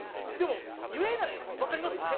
でも言えないわかります？